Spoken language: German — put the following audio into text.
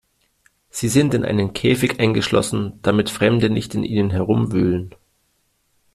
Sie sind in einen Käfig eingeschlossen, damit Fremde nicht in ihnen herumwühlen.